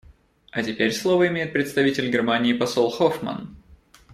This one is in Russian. А теперь слово имеет представитель Германии посол Хоффман.